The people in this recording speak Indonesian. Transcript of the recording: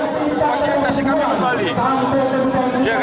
saya minta harga kami juga tolong diberitukan